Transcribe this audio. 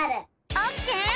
オッケー！